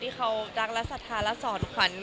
ที่เขารักและศรัทธาและสอนขวัญ